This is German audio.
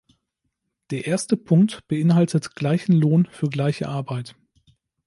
Der erste Punkt beinhaltet gleichen Lohn für gleiche Arbeit.